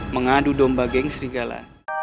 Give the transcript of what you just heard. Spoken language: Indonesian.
mengadu domba geng serigala